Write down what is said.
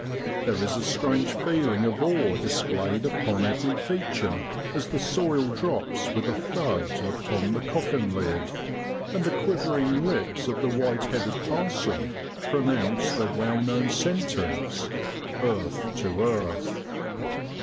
There is a strange feeling of awe displayed upon every feature as the soil drops with a thud upon the coffin lid, and the quivering lips of the white headed parson pronounce the well known sentence, 'Earth to earth.'